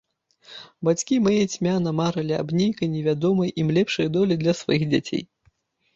Бацькі мае цьмяна марылі аб нейкай невядомай ім лепшай долі для сваіх дзяцей.